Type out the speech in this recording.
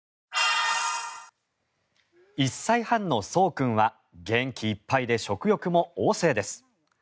１歳半のそう君は元気いっぱいで食欲も旺盛です。